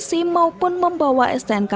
sim maupun membawa stnk